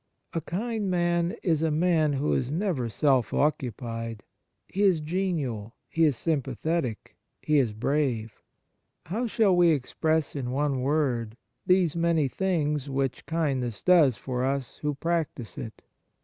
A kind man is a man who is never self occupied. He is genial, he is sympathetic, he is brave. How shall we express in one word these many things which kindness does for us who practise it